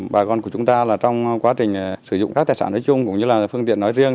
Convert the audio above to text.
bà con của chúng ta là trong quá trình sử dụng các tài sản nói chung cũng như là phương tiện nói riêng